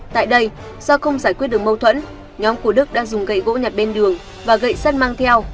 tại đây do không giải quyết được mâu thuẫn nhóm của đức đã dùng gậy gỗ nhặt bên đường và gậy sắt mang theo